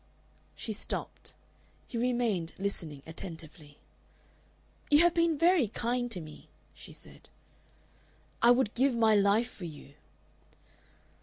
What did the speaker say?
She stopped. He remained listening attentively. "You have been very kind to me," she said. "I would give my life for you."